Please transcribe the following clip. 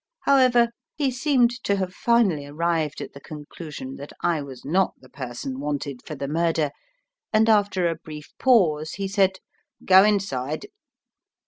However, he seemed to have finally arrived at the conclusion that I was not the person wanted for the murder, and after a brief pause he said, "Go inside."